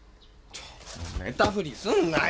寝たフリすんなよ！